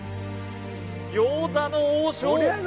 餃子の王将